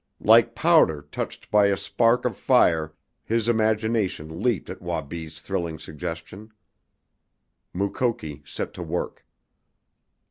Like powder touched by a spark of fire his imagination leaped at Wabi's thrilling suggestion. Mukoki set to work.